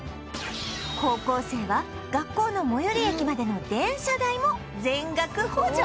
高校生は学校の最寄り駅までの電車代を全額補助